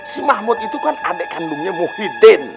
si mahmud itu kan adik kandungnya muhydin